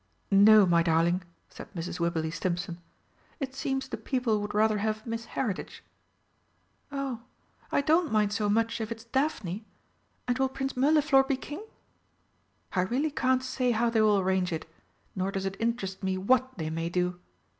"No, my darling," said Mrs. Wibberley Stimpson, "it seems the people would rather have Miss Heritage." "Oh, I don't mind so much if it's Daphne. And will Prince Mirliflor be King?" "I really can't say how they will arrange it nor does it interest me what they may do."